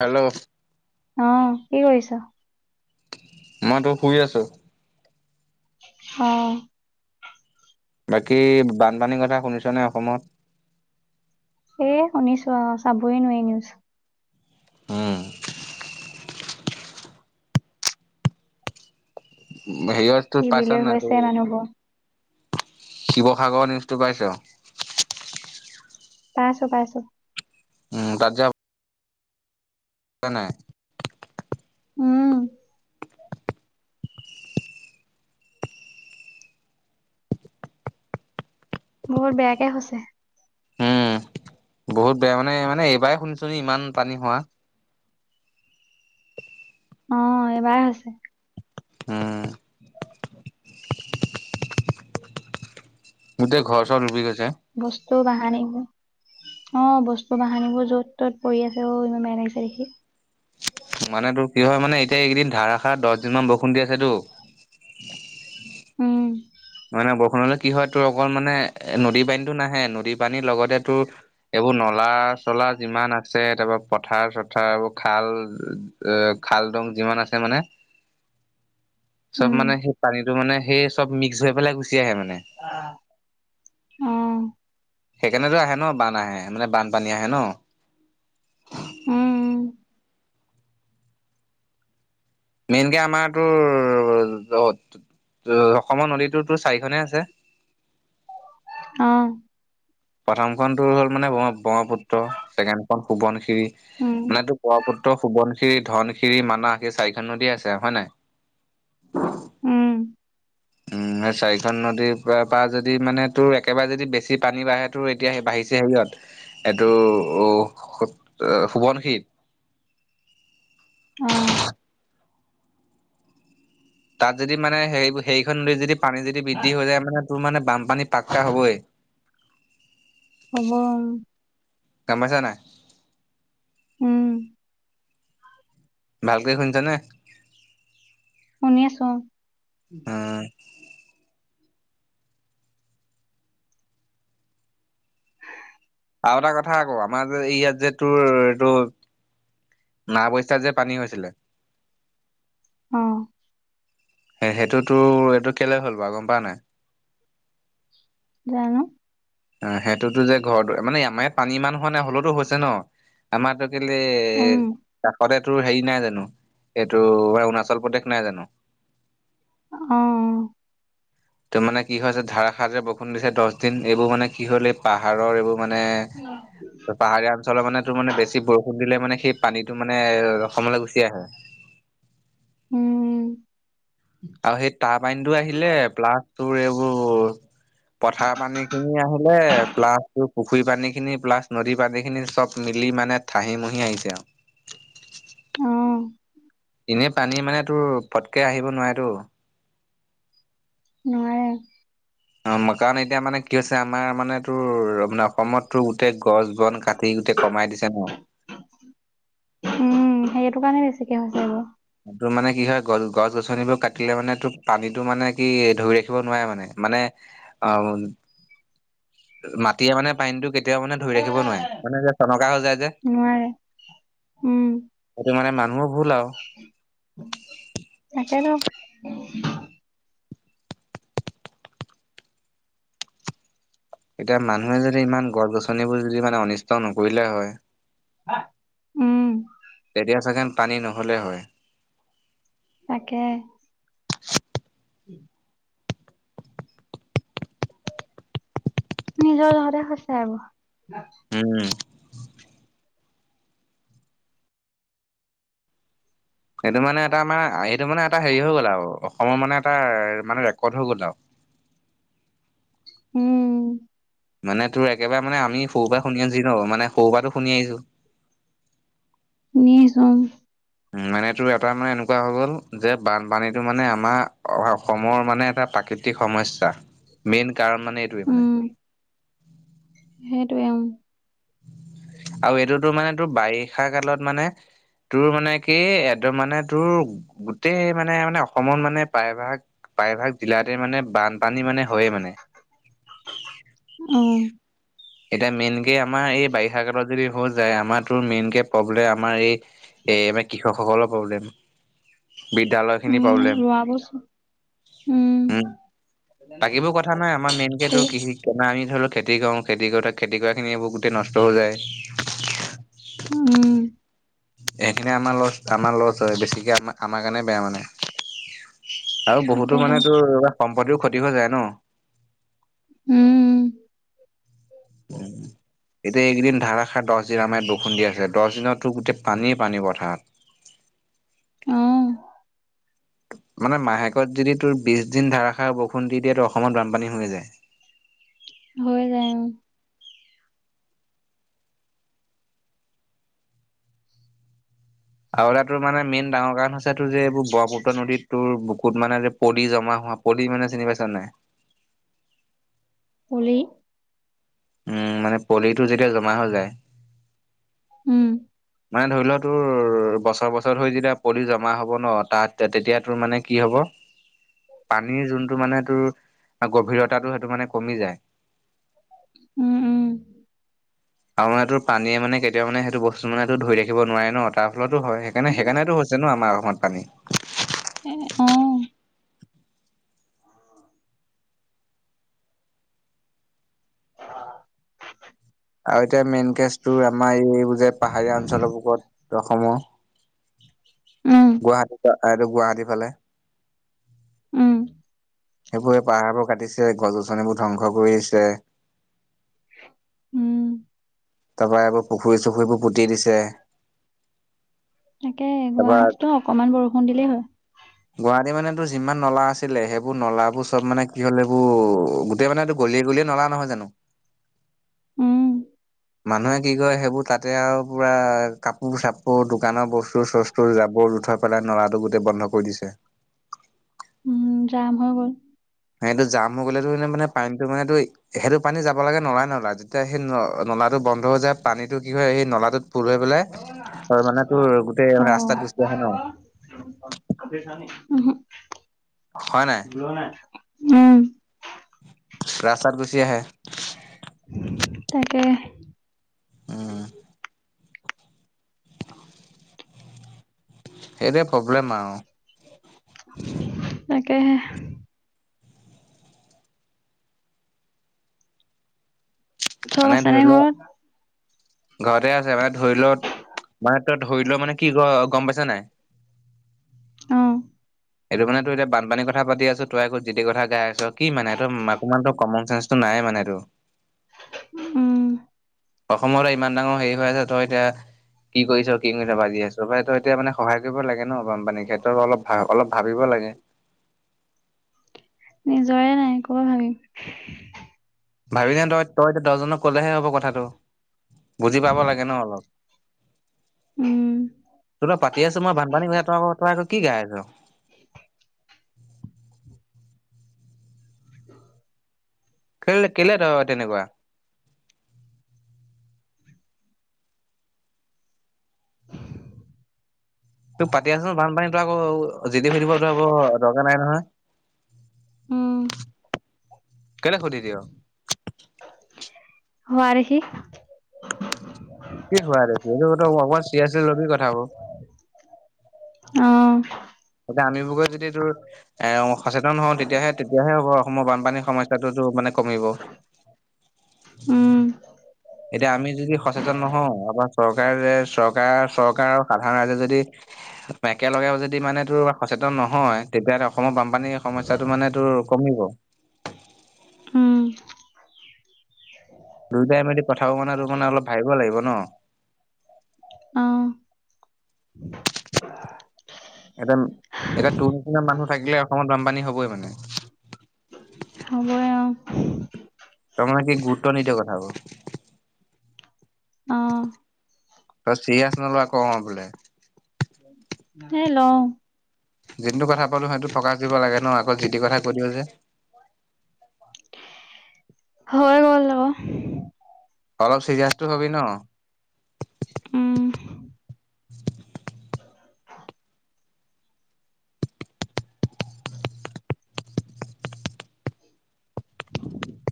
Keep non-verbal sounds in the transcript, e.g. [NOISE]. Hello. অ কি কৰিছ। মইতো শুই আছো। হ। বাকী বানপানীৰ কথা শুনিছনে অসমত। সেয়ে শুনিছো অ চাবই নোৱাৰি নিউজ। উম। হেৰিয়তো কি বিলৈ পাইছা নাই হৈছে মানুহবোৰ ত শিৱসাগৰ নিউজটো পাইছোঁ। পাইছোঁ পাইছোঁ। উম তাতে। নাই। উম। বহুত বেয়াকে হৈছে। উম বহুত বেয়া মানে মানে এইবাৰ শুনিছো নি ইমান পানী হোৱা। অ এইবাৰে হৈছে। উম। গোটেই ঘৰ চৰ ডুবি গৈছে। বস্তু বাহানিবোৰ। অ বস্তু বাহানিবোৰ য'ত ত'ত পৰি আছে অ ইমান বেয়া লাগিছে দেখি। মানে টো কি হয় মানে এতিয়া এইকেইদিন ধাৰাষাৰ দহ দিন মান বৰসুণ দি আছেতো। উম। নহয় নহয় বৰষুণলৈ কি হয় তোৰ অকল মানে নদী পানীটো নাহে নদীৰ পানীৰ লগতে তোৰ। এইবোৰ নলা চলা যিমান আছে তাৰপা পথাৰ চথাৰ এইবোৰ খাল। এ খালদং যিমান আছে মানে। উম চব মানে সেই পানীটো মানে সেই চব মিক্স হৈ পেলাই গুচি আহে মানে। অ সেইকাৰণেতো আহে ন বান আহে মানে বানপানী আহে ন। উম মেইন কে আমাৰতো অসমৰ নদীটো চাৰিখনে আছে। অ। প্ৰথমখন তোৰ হ'ল মানে ব্ৰহ্মপুত্ৰ ছেকেণ্ড খন সুৱণশিৰি উম মানে তোৰ। পুত্ৰ সোৱনশিৰি ধনশিৰি মানাহ এই চাৰিখন নদী আছে হয় নে নাই? উম। উম চাৰিখন নদীৰ পৰা পৰা যদি মানে তোৰ একেবাৰে যদি বেছি পানী বাঢ়ে। টো এতিয়া সে বাঢ়িছে হেৰিয়ত এইটো অ সোৱনশিৰি। অ। তাত যদি মানে হে হেৰিখন নত যদি পানী যদি বৃদ্ধি হৈ যায় মানে তোৰ মানে বানপানী পাক্কা হ'বই। হ'ব। গম পাইছা নাই? উম। ভালকৈ শুনিচা নে। শুনি আছো। উম, আৰু এটা কথা আকৌ আমাৰ যে ইয়াত যে তোৰ এইটো। নাওবৈছাত যে পানী হৈছিলে। অ'। সেইটোতো এইটো কেলে হ'ল বাৰু গম পাও নাই। জানো। অ' সেইটোতো যে ঘৰত মানে আমাৰ ইয়াত পানী ইমান হোৱা নাই হলেতো হৈছে ন। আমাৰটো কেলে উম কাষতে। এইটো হেৰি নাই জানো এইটো অৰুণাচল প্ৰদেশ নাই জানো অ' ত মানে কি হৈছে ধাৰাসাৰ যে বৰষুণ দিছে দহ দিন এইবোৰ মানে কি হ'ল এই পাহাৰৰ এইবোৰ মানে হয়। পাহাৰীয়া অঞ্চলৰ মানে তোৰ মানে বেছি বৰষুণ দিলে মানে সেই পানীটো মানে অসমলৈ গুচি আহে উম আৰু সেই টাৰ পানীটো আহিলে প্লাছ তোৰ এইবোৰ পথাৰ পানীখিনি আহিলে প্লাছ পুখুৰী পানীখিনি প্লাছ নদীৰ পানীখিনি চব মিলি মানে থাহি মহি আহিছে আৰু অ' এনেই পানী মানে তোৰ পটকে আহিব নোৱাৰে তো নোৱাই। অ মাকাণ এতিয়া মানে কি হৈছে আমাৰ মানে তোৰ মানে অসমতো গোটেই গছ- বন কাট টি গোটেই কমাই দিছে ন উম সেইটো কাৰণে বেছিকে হৈছে এইবোৰ তোৰ মানে কি হয় গছ গছ -গছনিবোৰ কাটিলে মানে তোক পানীটো মানে কি ধৰি ৰাখিব নোৱাৰে মানে মানে আ উম মাটিয়ে মানে পানীটো কেত কেতিয়াও মানে ধই ৰাখিব নোৱাৰে মানে যে চনকা হৈ যায় যে নোৱাৰে সেইটো মানে মানুহৰ ভুল আও তাকেতু এতিয়া মানুহে যদি ইমান গছ -গছনিবোৰ যদি মানে অনিষ্ট নকৰিলে হয় হা। তেতিয়া চাগে পানী নহ'লে হয় তাকে [INAUDIBLE] নিজৰ যহতে হৈছে আউ উম সেইটো মানে এটা মানে সেইটো মানে এটা হেৰি হৈ গ'ল আৰু অসমৰ মানে এটা মানে ৰেকৰ্ড হৈ গ'ল আৰু উম মানে তোৰ একেবাৰ মানে আমি সৰুপৰা শুনি মানে সৰু পৰাতো শুনি আহিছো। [INAUDIBLE] শুনিছোঁ অ'। [INAUDIBLE] উম মানে এইটো এটা মানে এনেকুৱা হৈ গ'ল যে বানপানীটো মানে আমাৰ অসমৰ মানে এটা প্ৰাকৃতি। তি সমস্যা মেইন কাৰণ মানে এইটোৱে মানে। উম সেইটোৱে উম। আৰু এইটোতো মানে তোৰ বাৰিষা কালত মানে। তোৰ মানে কি এদম মানে তোৰ গোটেই মানে মানে অসমত মানে প্ৰায়ভাগ। প্ৰায়ভাগ জিলাতে মানে বানপানী মানে হয়ে মানে। উম। এতিয়া মেইন কে আমাৰ এই বাৰিষা কালত যদি হৈ যায়, আমাৰ তো মেইন কে প্ৰব্লেম আমাৰ এই। এ এইবাৰ কৃষকসকলৰ প্ৰব্লেম, বিদ্যালয় খিনিৰ উম প্ৰব্লেম। ৰোৱা বস্তু উম বাকীবোৰ কথা নাই আমাৰ মেইন কে তোৰ কৃষি। তেনে আমি ধৰি লওঁ, খেতি কৰো, খেতি কৰো, আৰু খেতি কৰা খিনিৰ এইবোৰ গোটেই নষ্ট হৈ যায়। উম'। সেইখিনি আমাৰ লছ আমাৰ লছ হয়। বেছিকে আমা-আমাৰ কাৰণে বেয়া মানে। আৰু বহুতো তাকেতো মানে তোৰ, এনেকুৱা সম্পত্তিও ক্ষতি হৈ যায় ন? উম'। [INAUDIBLE] এতিয়া এইকেইদিন ধাৰাষাৰ দহ দিন, আমাৰ ইয়াত বৰষুণ দি আছে। দহ দিনতো গোটেই পানীয়ে পানী পথাৰত। উম। মানে মাহেকত যদি, তোৰ বিশ দিন ধাৰাসাৰ বৰষুণ দি দিয়ে, তো অসমত বানপানী হৈয়ে যায়। হৈ যায়, অ'। আৰু এটা তোৰ, মানে মেইন ডাঙৰ কাৰণ হৈছে। তোৰ যে এইবোৰ ব্ৰহ্মপুত্ৰ নদীত তোৰ বুকুত মানে যে পলি জমা হোৱা, পলি মানে চিনি পাইছা নাই? পলি উম, মানে পলিটো যেতিয়া জমা হৈ যায় উম'। মানে ধৰি ল তোৰ বছৰ বছৰ হৈ যেতিয়া পলি জমা হ'ব ন, তাত তেতিয়া তোৰ মানে কি হ'ব পানীৰ যোনটো মানে তোৰ, গভীৰতাটো সেইটো মানে কমি যায়। উম', উম'। আৰুে মানে টোৰ পানীয়ে মানে কেতিয়াও মানে সেইটো বস্তু মানে তোৰ ধৰি থাকিব নোৱাৰে ন। তাৰ ফলতো হয়। উম সেইকাৰণে-সেইকাৰণেতো হৈছে ন, আমাৰ অসমত পানী এ, অ'। আৰু এতিয়া মেইন কেচটোৰ আমাৰ এইবোৰ যে, পাহাৰীয়া অঞ্চলবোৰত অসমৰ, গুৱাহাটী উম এইটো গুৱাহাটীৰ ফালে উম'। সেইবোৰ এই পাহাৰবোৰ কাটিছে, গছ গছনিবোৰ ধ্বংস কৰিছে। উম'। তাৰপৰা এইবোৰ পুখুৰী- চুখুৰীবোৰ পুতি দিছে। তাকেহে তাৰপৰা গুৱাহাটীতো অকনমান বৰষুণ দিলেই হয়। [INAUDIBLE] গুৱাহাটী মানে তোৰ যিমান নলা আছিলে, সেইবোৰ নলাবোৰ চব মানে কি হল, এইবোৰ গোটেই মানে তোৰ গলিয়ে গলিয়ে নলা নহয় জানো? উম'। মানুহে কি কৰে, সেইবোৰ তাতে আৰু পুৰা কাপোৰ- চাপোৰ দোকানৰ বস্তু বস্তু-চষ্টো জাবৰ জোথৰ পেলাই নলাটো গোটেই বন্ধ কৰি দিছে। উম, জাম হৈ গ'ল। এইটো জাম হৈ গলেতো মানে পানীটো মানে টো সেইটো পানী যাব লাগে নলাই- নলাই। যেতিয়া সেই ন-নলাটো বন্ধ হৈ যায়, পানীতটো কি হয় সেই নলাটোত ফুল হৈ পেলাই, মানে তোৰ গোটেই মানে ৰাস্তাত গুচি আহে ন। ওহো, হয় নাই উম। ৰাস্তাত গুচি আহে। তাকে। উম'। সেইটোৱে প্ৰব্লেম আৰু। তাকেহে। চব মানে ধৰি আছেনে লোৱা, ঘৰত? ঘৰতে আছে বাত ধৰি ল, মানে তই ধৰি ল মানে কি গম পাইছ নাই অ'। এইটো মানে তোৰ এতিয়া বানপানী কথা পাতি আছো তই আকৌ যি তি কথা গাই আছ কি মানে এইটো অকণমান তো কমন চেঞ্চ টো নাই মানে তোৰ। উম। অসমৰ ইমান ডাঙৰ হেৰি হৈ আছে তই এতিয়া কি কৰিছ কিনো কথা ভাবি আছ পাই তই। এতিয়া মানে সহায় কৰিব লাগে ন বানপানীৰ ক্ষেত্ৰত অলপ ভা অলপ ভাবিব লাগে। নিজৰে নাই ক'ৰপৰা ভাবিম। ভাবি যেন তই তই এতিয়া দহজনক কলেহে হ'ব কথাটো বুজি পাব লাগে ন অলপ। উম। তোৰ লগত পাতিআছো মই বানপানীৰ কথা তই আকৌ তই আকৌ কি গাই আছ। কেলে কেলে তই তেনেকুৱা? তোৰ পাতি আছো বানপানী তই আকৌ যি তি সুধিব তোৰ একো দৰকাৰ নাই নহয়। উম। কেলে সুধি দিয়? হোৱা দেখি। কি হোৱা দেখি এইটো টো অকমান চিৰিয়াচলি লবি কথা বোৰ। অ'। এতিয়া আমিবোৰ গৈ যদি তোৰ এ সচেতন হওঁ তেতিয়াহে তেতিয়াহে হ'ব। অসমৰ বানপানীৰ সমস্যাটোতো মানে কমিব। উম। এতিয়া আমি যদি সচেতন নহওঁ চৰকাৰে যে চৰকাৰ চৰকাৰ আৰু সাধাৰণ ৰাইজে যদি একেলগে যদি মানে তোৰ সচেতন নহয় তেতিয়াহ'লে অসমৰ বানপানীৰ সমস্যাটো মানে তোৰ কমিব। উম, দুইটাই মিলি কথাবোৰ মানে তোৰ মানে অলপ ভাবিব লাগিব ন। অ', এতিয়া এতিয়া তোৰ নিচিনা মানুহ থাকিলে অসমত বানপানী হবই মানে। হ'বয়ে অ'। তই মানে কি গুৰুত্ব নিদিয় কথা বোৰ। অ', তই চিৰিয়াচ নল'ৱ আকৌ অ' বোলে। হেই লওঁ। যিনটো কথা পাতো সেইটো প্ৰকাশ কৰিব লাগে ন আকৌ যি তি কথা কৈ দিয় যে। হয় গল অ অলপ চিৰিয়াছ টো হবি ন। উম। উম [INAUDIBLE]